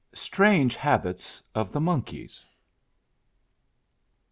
— STRANGE HABITS OF THE MONKEYS.